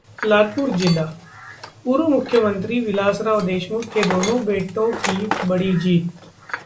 लातूर जिलाः पूर्व मुख्यमंत्री विलासराव देशमुख के दोनों बेटों की बड़ी जीत